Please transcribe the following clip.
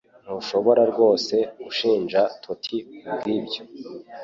Ntushobora rwose gushinja Toti kubwibyo